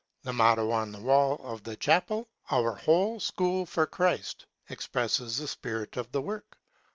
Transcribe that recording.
The motto on the wall of the chapel, *' Our Whole School for Christ," ex presses the spirit of the work.